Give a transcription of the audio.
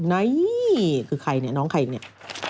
นี่คือใครเนี่ยน้องใครเนี่ย